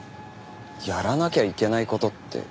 やらなきゃいけない事って。